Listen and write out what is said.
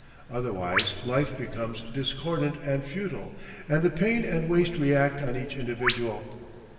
Otherwise life becomes discordant and futile, and the pain and waste react on each individual.